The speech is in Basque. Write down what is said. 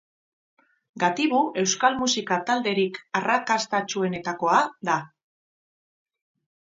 Gatibu euskal musika talderik arrakastatsuenetakoa da.